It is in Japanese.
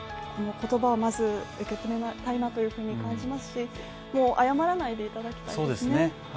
この言葉をまず受け止めたいなというふうに感じますしもう謝らないでいただきたいですね。